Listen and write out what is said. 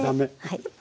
はい。